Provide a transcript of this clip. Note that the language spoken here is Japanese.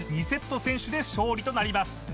２セット先取で勝利となります